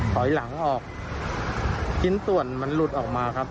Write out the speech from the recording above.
ถอยหลังออกชิ้นส่วนมันหลุดออกมาครับ